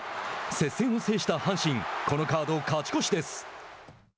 接戦を制した阪神このカード勝ち越しです。